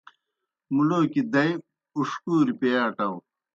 مُلوکیْ دائے اُݜکُوریْ پیے اٹاؤ۔